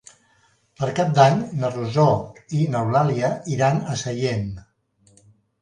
Per Cap d'Any na Rosó i n'Eulàlia iran a Sellent.